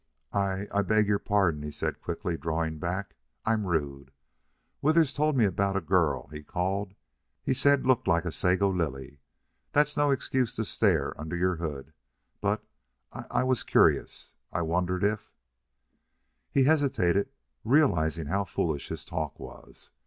"I I beg your pardon," he said, quickly, drawing back. "I'm rude. ... Withers told me about a girl he called he said looked like a sago lily. That's no excuse to stare under your hood. But I I was curious. I wondered if " He hesitated, realizing how foolish his talk was.